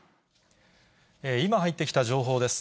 今入ってきた情報です。